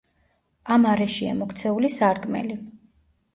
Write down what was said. ამ არეშია მოქცეული სარკმელი.